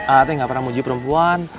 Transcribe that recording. a'a teh gak pernah mau uji perempuan